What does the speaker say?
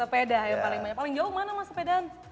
paling jauh mana mas sepedaan